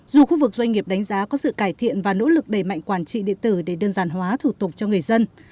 dù khu vực doanh nghiệp đánh giá có sự cải thiện và nỗ lực đẩy mạnh quản trị địa tử để đơn giản hóa thủ tục cho người dân